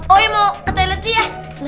oe mau ketulitin ya